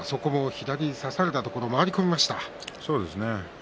よく左差されたところを回り込みました。